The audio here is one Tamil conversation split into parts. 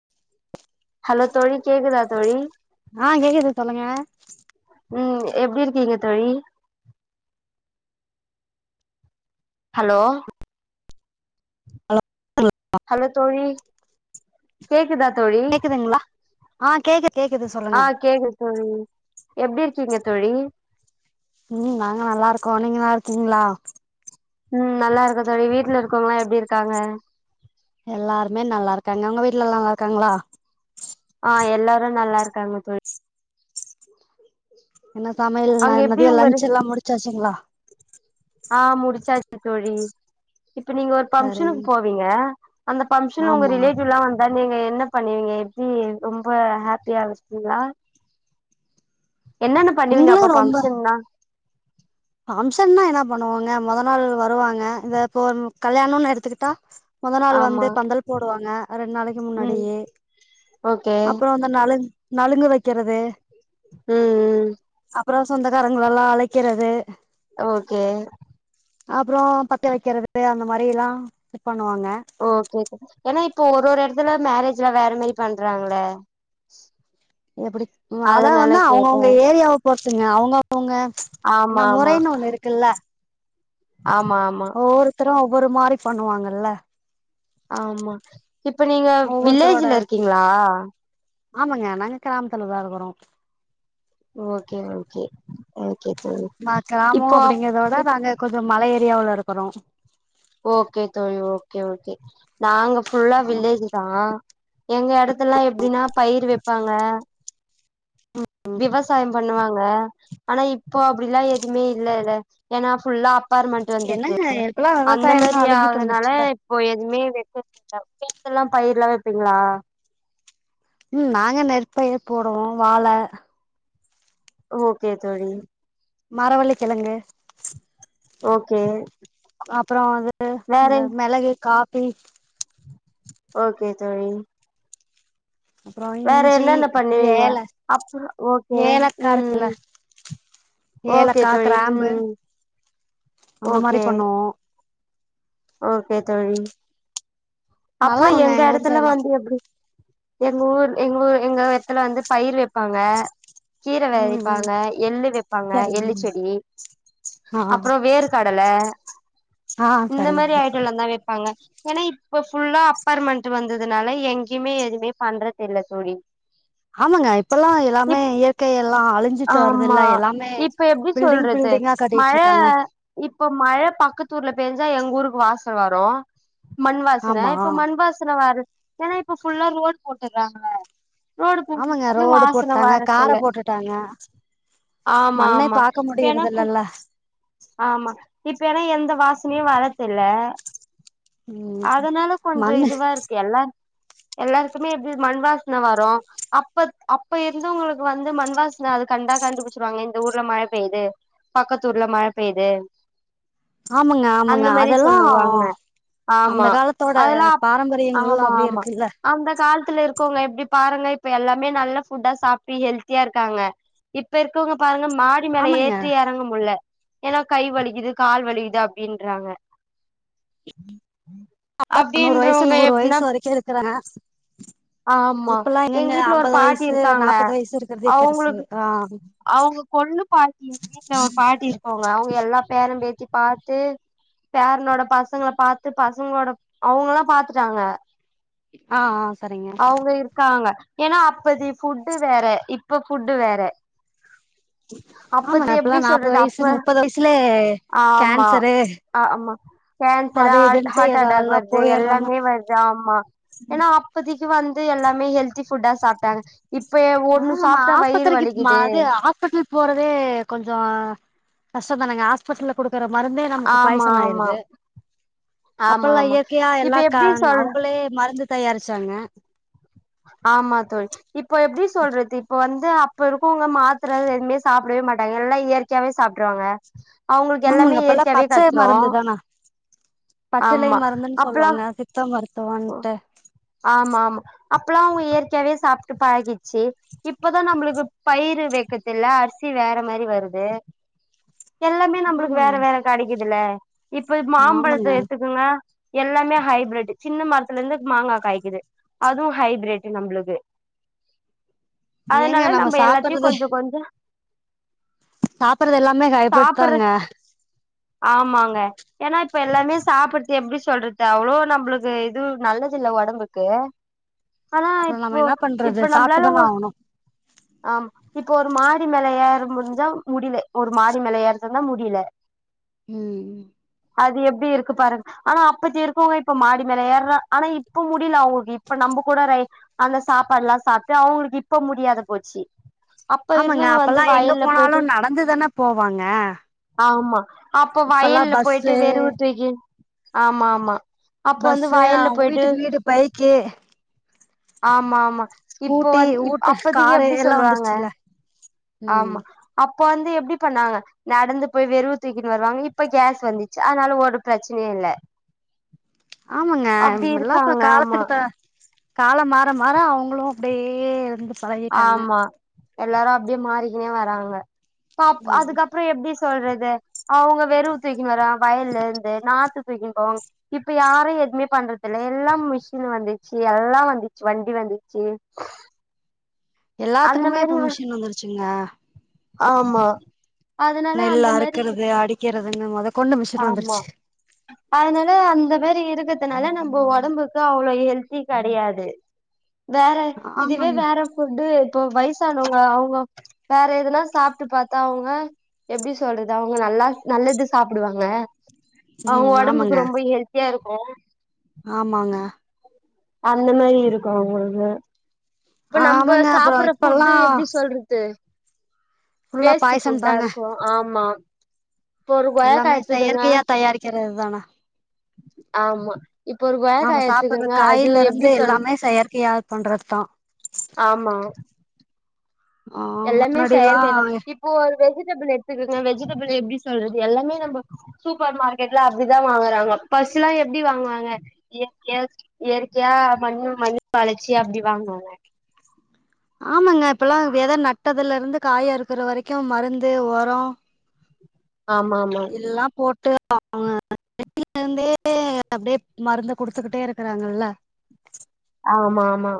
[inaudible] ஹலோ தோழி கேக்குதா தோழி ஆஹ் கேக்குது சொல்லுங்க உம் எப்டி இருக்கீங்க தோழி ஹலோ ஹலோ தோழி கேக்குதா கேக்குதுங்களா ஆ கேக்கு கேக்குது சொல்லுங்க ஆஹ் கேக்குது தோழி எப்படி இருக்கீங்க தோழி உம் நாங்க நல்லாருக்கோம் நீங்க நல்லா இருக்கிங்களா ம் நல்லா இருக்க தோழி வீட்டுல இருக்கவங்களாம் எப்படி இருக்காங்க எல்லாருமே நல்லாருக்காங்க உங்க வீட்ல எல்லா நல்லாருக்காங்களா ஹ எல்லாரும் நல்லாருக்காங்க தொழி என்ன அங்க சமையல் எப்டி மதியம் உங்க லன்ச் எல்லாம் முடிச்சாச்சுங்களா ஆ முடிச்சாச்சு தோழி இப்ப நீங்க ஒரு பங்க்ஷனுக்கு சரிங்க போவீங்க அந்த பம்ஷன் உங்க ஆமா ரிலேட்டிவ்லாம் வந்தா நீங்க என்ன பண்ணுவீங்க எப்படி ரொம்ப ஹாப்பியா வச்சிப்பீகங்களா என்னன்ன பண்ணுவீங்க அப்ப பங்க்ஷன்னா பங்ஷன்னா என்ன பண்ணுவாங்க முத நாள் வருவாங்க இதப்ப கல்யாணம்னு எடுத்துகிட்டடா முதல் நாள் ஆமா வந்து பந்தல் போடுவாங்க ரெண்டு நாளைக்கு ம் முன்னாடியே ஓகே அப்பறோ அந்த நளங் நலுங்கு வக்கிறது ம் ம் அப்புறம் சொந்தக்காரங்கள எல்லாம் அழைக்கிறது ஓகே அப்புறம் பத்த வைக்கிறது அந்த மாரி எல்லாம் ஓகே ஏன்னா இப் இப்போ ஒரு ஒரு இடத்துல மேரேஜ்லா வேற மாரி பண்றாங்கள எப்படி அதா அதனால வந்து கேட்டே அவங்கவுங்க ஏரியாவ பொற்துங்க அவுங்கவுங்க ஆமா என்ன ஆமா முறைனு ஒண்ணு இருக்குல ஆமா ஆமா ஒரு மாரி பண்ணுவாங்கல்ல ஆமா இப்ப நீங்க ஒவ்வொருத்தரோட வில்லேஜ்ல இருக்கீங்களா ஆமாங்க நாங்க கிராமத்துலதான் இருக்குறோம் ஓகே ஓகே ஓ கிராமம் அப்படிங்கறதோட நாங்க கொஞ்சம் மலை லயாவுள இருக்கிறோம் ஓகே தோழி ஓகே ஓகே நாங்க புஃல்லா வில்லேஜ் தான் எங்க இடத்துல எல்லாம் எப்பிடினா பயிர் ப்பாங்க விவசாயம் பண்ணுவாங்க ல ஆனா இப்போ அப்டிலாம் எதுவுமே இல்லல ஏனா ஃபுல்லா அப் பார்மெண்ட் வந்தது என்னங்க இப்பல்லா அந்த விவசாயம்லா மேரி அழிஞ்சிட்டு ஆகுதுனால வந்துருச்சுல இப்போ எதுவுமே வக்கதில்லை எல்லாம் பயிர்லாம் வெப்பீங்களா உம் நாங்க நெற்ப்பயிற் போடுவோம் வாழ ஒக்கே தோழி மரவள்ளி கெளங்கு ஒக்கே அப்றோ வந்து இந்த மெளகு கா எய் ஒக்கே தோழி அப்றோ வேற இஞ்சி என்னன்ன பண்ணுவீங்க ஏல அப்ரோ ஒகே ஏலக்கா இருக்குல்ல உம் ஒகே ஏலக்கா தோழி கிராம்பு உம்ம் அந்த மாரி ஒகே பண்ணுவோ ஒகே தோழி அப்றோ நல்லாருக்குங்க எங்க ஊர் எடத்துல சைட்லா வந்து எப்டி எங்க ஊர் எங்க ஊர் எங்க எத்துல வந்து பயிர் வெப்பாங்க கீர ம் ம் வெதைப்பாங்க எள்ளு வெப்பாங்க எள்ளு சரிங்க செடி ஆ அப்றோ வேற் கடல ஆ இந்த மாரி சரிங்க ஐட்டெம்லா தா வெப்பாங்க என்னா இப் இப்ப ஃபுல்லா அப்பார்மெண்ட் வந்ததுனால எங்கயுமே எதுவுமே பண்றதில்ல தோழி ஆமாங்க இப்ப எல்லாம் எல்லாமே இப் இயற்கைய எல்லாம் அழிஞ்சிட்டு வருது ஆமா இல்ல எல்லாமே இப்ப எப்டி பில்டிங் சொல்றது பில்டிங்கா கட்டிட்டு மழ இருக்காங்க த்தூர்ல பெஞ்சா எங்க ஊருக்கு வாசம் வரும் மண் சினை ஆமா இப்ப மண்வாஸ்ண வர ஏன்னா இப்ப ஃபுல்லா ரோடு போட்டுறாங்க ரோடு ஆமாங்க போட்டதுனால ரோடு வாசன போட்டாங்க காரை வரதில்ல போட்டுட்டாங்க ஆமா மண்ணை ஆமா பாக்க இப்ப ஏன்னா முடியறது இல்ல ல ஆமா இப்ப ஏன்னா எந்த வாசனையும் வரதுல ம் அதனால கொஞ்ஜோ மண்ணு இதுவாருக்கு எல்லா எல்லாருக்குமே எப்படி மண் வாஸ்ன வரும் அப்ப அப்ப இருந்தவங்ளுக்கு வந்து மண்வாசனை அது கண்டா கண்டுபுடிச்சிருவாங்க இந்த ஊர்ல மழ பெய்து பக்கத்து ஊர்ல மழ பெய்து ஆமாங்க ஆமாங்க அதெல்லாம் சொல்லுவாங்க அந்த ஆமா காலத்தோட அதெல்லா பாரம்பரியங்கலா அப்டியே இருக்குல்ல துல இருக்கவங்க எப்டி பாருங்க இப்ப எல்லாமே நல்ல புட்டா சாப்டு ஹெல்ததியா இருக்காங்க இப்ப இருக்கவங்க பாருங்க மாடி மேல ஆமாங்க ஏற்டு எறங்க முட்ல ஏன்னா கை வலிக்குது கால் வலிக்குது அப்படின்றாங்க அப்பாகு நூறு வைசு நூறு வையசு வெரைக்கு இருக்குறேன் ஆமா எங்க வீட்டுல ஒரு அம்பது பாட்டி வயசு இருக்காங்க நாப்பது வயசு இருக்கறதே பெருசு அவங்களுக்கு ஆ அவங்க கொள்ளு பாட்டி எங்க வீட்டுல ஒரு பாட்டி இருக்காங்க அவங்க எல்லா பேரும் பே த்தி பாத்து பேரனோட பசங்க பாத்து பசங்களோட அவங்கலாம் பாதுட்டாங்க ஆஹ் அவங்க இருக்காங்க ஏன்னா அப்பத்தி ஃபுட்டு வேற இப்ப ஃபுட்டு வேற அப்பத்த ஆமாடா இப்பல்லா எப்படி நாப்பது சொல்றது வயசு அப்ப முப்பது வயசுலே ஆமா கேன்சரு ஆ ஆமா கேன்சர் அது இதுன்ட்டு ஹார்ட் அட்டாக் எதெல்லா வருது போயிர்றாங்க எல்லாமே வருது ஆமா ஏன்னா க்கு வந்து எல்லாமே ஹெல்தி ஃபுட்டா சாப்ட்டாங்க இப்ப ஒண்ணு ஆஹ் நம்ம சாப்ட்டா வயிறு ஆஸ்பத்திரிக்கு வலிக்குது அது ஹாஸ்பிட்டலு போறதே கொஞ்சொ கஷ்டம் தானங்க ஹாஸ்ப்பிட்டல கூட இருக்குற மருந்தே நமக்கு ஆமா பாய்சன் ஆமா ஆயிருது ஆமா அப்பல்லா ஆமா இயற்கையா இப்ப எல்லா எப்டி சொல் அவங்களே மருந்து தயாரிச்சாங்க ஆமா தோழி இப்போ எப்படி சொல்றது இப்ப வந்து இந்த அப்ப இருக்குகோ மாத்திர எதுவுமே சாப்பிடவே மாட்டாங்க எல்லா இயற்கையாவே சாப்புடுவாங்க ஆமாங்க அப்பல்லா பச்ச மருந்து தானா பச்சளை ஆமா மருந்துன்னு அப்பல்லா சொல்லுவாங்க சித்த மருந் இதோ வந்துட் ஆமா ஆமா அப்பல்லா அவங்க இயற்கையாவே சாப்பிட்டு பழகிடுச்சி இப்பதா நம்மளுக்கு பயிர் வைக்கதுயில அரிசி வேற மாதிரி வருது எல்லாமே நம்மளுக்கு வேற ஆமாங்க வேற கிடைக்குதுல இப்ப மாம்பழத்த ஆமாங்க எத்துக்கங்க எல்லாமே ஹைபிரிட் சின்ன மரத்துல இருந்து மாங்கா காய்க்குது அதுவும் ஹைப்ரட் நம்மளுக்கு அதனால நம்ம எல்லாத்தையும் கொஞ்சொ கொஞ்சோ சாப்டுறது எல்லாமே ஹைபிரிட் சாப்பற தாங்க ஆமாங்க ஏன்னா இப்ப எல்லாமே சாப்படுத் எப்டி சொல்றது அவ்வளோ நம்மளுக்கு எதுவு நல்லது இல்ல ஒடம்புக்கு ஆனா அப்றோ நம்ம இப்போ என்ன பண்றது இப்ப நம்மளாலஓ சாப்ட்டுதான ஆவணு ஆமா இப்ப ஒரு மாடி மேல ஏறமுடிஞ்சா முடியல ஒரு மாடி மேல ஏறுதான முடியல உம் அது எப்படி இருக்கு பாருங்க ஆனா அப்பத்தி இருக்கவங்க இப்ப மாடி எறாங்க ஆனா இப்ப முடியல அவங்களுக்கு இப்ப நம்ம கூட அந்த சாப்பாடு எல்லா சாப்பிட்டு அவங்களுக்கு இப்ப முடியாத போச்சி அப்ப ஆமாங்க இருந்தவங்க வந்து அப்பல்லா எங்க வயல்ல போனாலு போயிட்டு நடந்துதான போவாங்க ஆமா அப்ப இப்பல்லா வயல்ல போயிட்டு பஸ்ஸு வெரகு தூக்கி ஆமா ஆமா அப்ப பஸ் வந்து வயல்ல அவங்க போயிட்டு வீட்டுக்கு வீடு பைக்கு ஆமா ஆமா இப்போ ஸ்கூட்டி வந்து ஊட்டு அப்பதைக்கு காரு எப்படி எல்லா சொல்லுவாங்க வந்துருச்சுல்ல ம் ஆமா அப் அப்ப வந்து எப்படி பண்ணாங்க நடந்து போய் வெறவு தூக்கிட்டு வருவாங்க இப்ப கேஸ் வந்துச்சு அதனால ஒரு பிரச்சனையும் இல்ல ஆமாங்க அப்டி எல்லா இப்ப இருக்காங்க ஆமா காலத்துக்கு த காலம் மாற மாற அவங்களும் அப்டியே இருந் பழகிட்டாங்க ஆமா எல்லாரு அப்படியே மாறிக்கினு வராங்க பா ம் அதுக்கப்புறம் எப்டி சொல்றது அவங்க வெறுவு தூக்கின்னு வர வயல்லயிருந்து நாத்து தூக்கின்னு போவாங்க இப்ப யாரும் எதுவுமே பண்றதுயில்லா எல்லா மிஷின் வந்துச்சி எல்லா வந்துச்சி வண்டி வந்துச்சு அந்த எல்லாத்துக்குமே மாரி இப்ப வ மிஷன் வந்துச்சி ஆஹ் ஆமா அதனால நெல்ல அந்த மாரி அறுக்குறது அடிக்க கிறதுனு முத ஆமா அதனால அந்த மாரி இருக்கறதுனால நம்ப உடம்புக்கு அவ்வள ஹெல்தி கிடையாது வேற இதுவே ஆமாங்க வேற ஃபுட்டு இப்ப வயசானவங்க அவங்க வேற எதனா சாப்பிட்டு பார்த்தா அவங்க எப்படி சொல்றது அவங்க நல்லா நல்லது சாப் கூப்படுவாங்க அவங்க ம் ஆமாங்க உடம்புக்கு ரொம்ப ஹெல்த்தியா இருக் ஆ ஆமாங்க அந்த மாரி இருக்கும் அவங்களுக்கு இப்ப நம்ம ஆமாங்க அப்புறோ சாப்பிடுற இப்பல்லா ஃபுட்டு எப்டி சொல்றது ஃபுல்லா வேஸ்ட் பாய்சன் ஃபுட்டா தாங்க இருக்கோ ஆமா இப்போ ஒரு கொய்யாக்கா எல்லாமே எடுத்துக்கோங்க செயற்கையா தயாரிக்கிறது தானே ஆமா இப்போ ஒரு கொய்யாக்கா நம சாப்பிடுற எடுத்துக்கோங்க அது காயில இருந்து எப்டி சொல்றது எல்லாமே செயற்கையா பண்றது தா ஆமா ஆ எல்லாமே முன்னாடிலா செயற்கைதா இப்போ ஒரு வெகு வெஜிடபிள் எடுத்துக்கங்க வெஜிடபிள் எப்படி சொல்றது எல்லாமே நம்ம சூப்பர் மார்க்கெட்லா அப்படிதா வாங்குறாங்க ஃபர்ஸ்ட் எல்லா எப்படி வாங்குவாங்க இயற்கையா இயற்கையா மண்ணு மண்ணு பாளச்சி அப்படி வாங்குவாங்க ஆமாங்க இப்ப எல்லா வித நட்டதிலிருந்து காய் அறுக்குற வரைக்கும் மருந்து உரோ ஆமா ஆமா எல்லா போட்டு [inaudible] அவில இருந்தே அப்படியே மருந்து குடுச்சிக்கிட்டே இருக்கறாங்கல்ல ஆமா ஆமா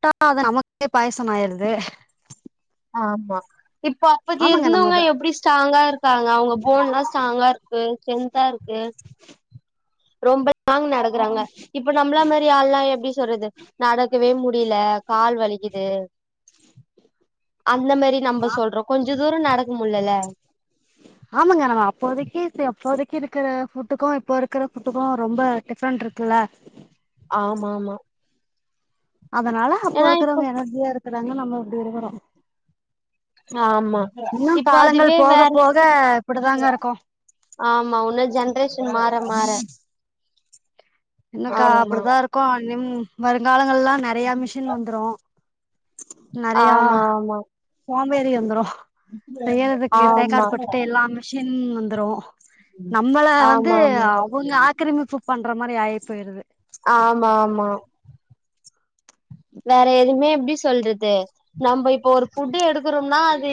ட்டா அது நமக்கே பாயசம் ஆயிடுது ஆமா இப்ப அப்பத்த நம்ம இருந்துவங்க வ எப்படி ஸ்ட்ராங்கா இருக்காங்க அவங்க போன் எல்லா ஸ்ட்ராங்கா இருக்கு ஸ்ட்ரென்தா இருக்கு ரொம்ப லாங்க் நடக்குறாங்க இப்ப நம்மள மாரி ஆள்ல்லா எப்டி சொல்றது நடக்கவே முடியல கால் வலிக்குது அந்த மாரி நம்பசொல்றோம் கொஞ்ச தூரம் நடக்க முல்லல ஆமாங்க நம்ம அப்போதைக்கு அப்போதக்கு இருக்கிற ஃபுட்டுக்கும் இப்போ இருக்கிற ஃபுட்டுக்கும் ரொம்ப டிஃப்ரெண்ட் இருக்குல்ல ஆமா மா அதுனால அப்போ இருக்கிறவங்க எனர்ஜியா இருக்குறாங்க நம்ம அப்படி இருக்குறோம் ஆமா இப்ப அதுவே போக வேற போக இப்டிதாங்க இருக்கு ஆமா இன்னோ ஜென்ரேஷன் மாற மாற என்னக்கா ஆமா அப்படித்தான் இருக்கும் நிம் வருங்கால எல்லாம் நெறைய மிஷின் வந்துரும் ஆமா ஆமா ம்பேறி வந்துரும் செய்யறதுக்கு தேங்காடு ஆமா பட்டுட்டு எல்லா மிஷின் வந் துரோம் நம்மள வந்து ஆமா ஆமா அவங்க ஆக்கிரமிப்பு பண் எட்ற மணியாயிடுது போயிறுது ஆமா ஆமா வேற எதுவுமே எப்படி சொல்றது நம்ம இப்ப ஒரு ஃபுட்டு எடுக்கறோம்னா அது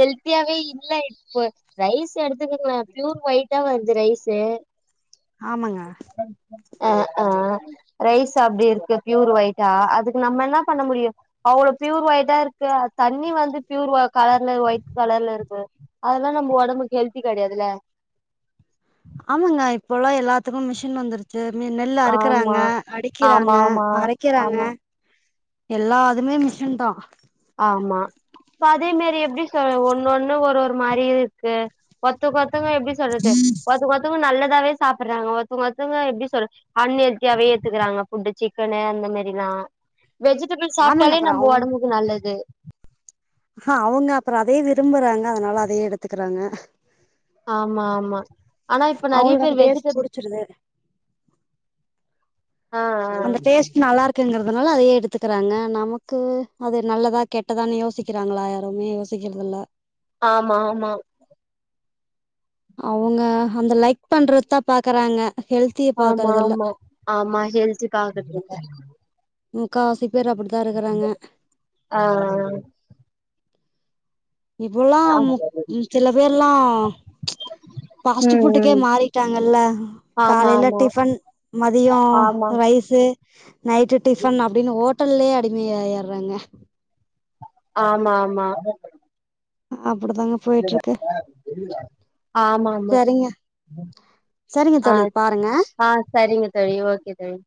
ஹெல்த்தியாவே இல்ல இப்ப ரைஸ் எடுத்துக்கங்கலேன் ப்யூர் ஒயிட்டா வருது ரைஸு ஆமாங்க அ ஆ ரைஸ் அப்படி இருக்கு ப்யூர் ஒய்ட்டா அது நம்ம என்ன பண்ண முடியும் அவ்வளோ ப்பியூர் ஒயிட்டா இருக்கு தண்ணி வந்து ப்பியூர் கலர்ல ஒயிட் கலர்ல இருக்கு அதெல்லாம் நம்ம உடம்புக்கு ஹெல்தி கிடையாதுல ஆமாங்க இப்பல்லாம் எல்லாத்துக்கும் மிஷின் வந்துருச் நெல் அறுக்குறாங்க ஆமா. அடிக்கிறாங்க ஆமாமா. ஆமா, அரைக்கிறாங்க ஆமா. எல்லாதுமே மிஷின் தான் ஆமா அதே மாரி எப்படி சொல் ஒன்னொண்ணு ஒரு ஒரு மாரி இருக்கு ஒத்துகொத் ங்க எப்படி சொல்றது ஒருத்த ஓருத்தங்க நல்லது லாவே சாப்பிடுறாங்க ஒருத்தவங்க ஒருத்தவங்க எப்படி சொல்ற அன் ஹெத்தியாவே ஏத்துக்கறாங்க ஃபுட்டு சிக்கனு அந்த மாரிலாம் வெஜிடபிள் ஆமாங்க சாப்பிட்டாலே அப்றோ நம்ம அவங்க உடம்புக்கு நல்லது து அவங்க அப்புறம் அதயே விரும்புறாங்க அதனால அதயே எடுத்துக்கிறாங்க ஆமா ஆமா ஆனா இப்ப நிறைய அவங்களுக்கு பேர் அந்த டேஸ்ட் வெஜிடபிள்ஸ் புடிச்சிருது அந்த டேஸ்ட் நல்லா இருக்குங்கறதுனால அதையே எடுத் கத்துக்கறாங்க நமக்கு அது நல்லதா கெட்டதான்னு யோசிக்கிறாங்களா யாருமே யோசிக்கிறதுல்ல ஆமா ஆமா அவுங்க அந்த லைக் பண்றத பா இருக்குறாங்க ஆமா ஆமா ஆமா ஹெல்த்தி பாக்குறது இல்ல முக்காவாசி பேர் அப்படித்தா இருக்குறாங்க ஆஹ் இப்போல்லாம் மு சில பேர்லாம் ஃபாஸ்ட் ம், ஃபுட்டுக்கே ம். மாறிட்டாங்கல்ல ஆமா, காலில ஆமா. டிஃபன் மதியம் ஆமா, ரைஸு நைட்டு டிஃபன் அப்படின்னு ஹோட்டல்லேயே அடிமைய ஆயடுறாங்க ஆமா ஆமா அப்படிதாங்க போயிட்டு இருக்கு ஆமாமா செரிங்க செரிங்க தோழி பாருங்க செரி ஓக்கே தோழி